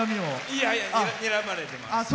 いやいやにらまれてます。